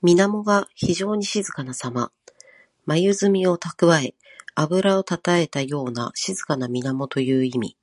水面が非情に静かなさま。まゆずみをたくわえ、あぶらをたたえたような静かな水面という意味。